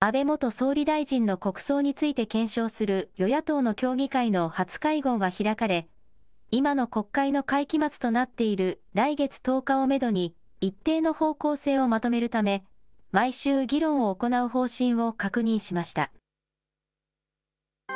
安倍元総理大臣の国葬について検証する与野党の協議会の初会合が開かれ、今の国会の会期末となっている、来月１０日をメドに一定の方向性をまとめるため、毎週議論を行う方針を確認しました。